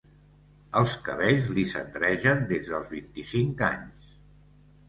Els cabells li cendregen des dels vint-i-cinc anys.